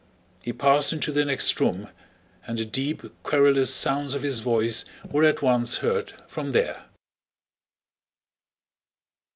He passed into the next room, and the deep, querulous sounds of his voice were at once heard from there.